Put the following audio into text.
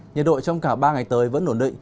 nhiệt độ trong cả ba ngày tới vẫn ổn định